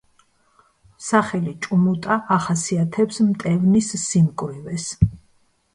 სახელი ჭუმუტა ახასიათებს მტევნის სიმკვრივეს.